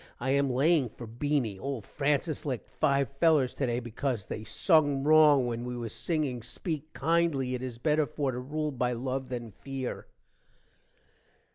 i am laying for Beany. old Francis licked 5 fellers today becaus they sung rong when we was singing speek kindly it is better for to rule by luv than feer.